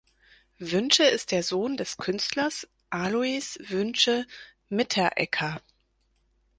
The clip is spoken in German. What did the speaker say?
Wünsche ist der Sohn des Künstlers Alois Wünsche-Mitterecker.